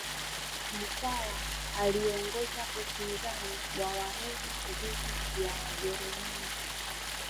Mkwawa aliongoza upinzani wa wahehe dhidi ya wajerumani